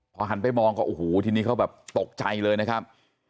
พอหันไปมองก็โอ้โหทีนี้เขาแบบตกใจเลยนะครับ